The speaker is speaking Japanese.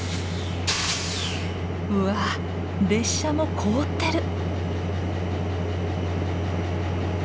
うわ列車も凍ってる！